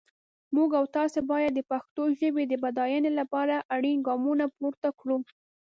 موږ او تاسي باید د پښتو ژپې د بډاینې لپاره اړین ګامونه پورته کړو.